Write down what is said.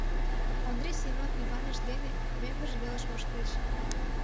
Ондрий Семён Иваныч дене мӧҥгыж велыш ошкыльыч.